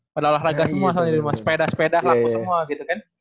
pada olahraga semua sepeda sepeda laku semua gitu kan